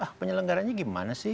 ah penyelenggaranya gimana sih